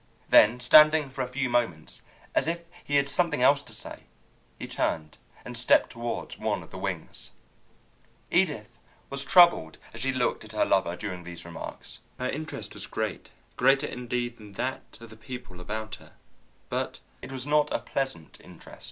Then, standing for a few moments as if he had something else to say, he turned and stepped toward one of the wings. Edith was troubled as she looked at her lover during these remarks. Her interest was great, greater, indeed, than that of the people about her, but it was not a pleasant interest.